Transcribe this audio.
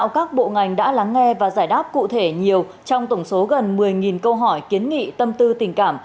các bộ ngành đã lắng nghe và giải đáp cụ thể nhiều trong tổng số gần một mươi câu hỏi kiến nghị tâm tư tình cảm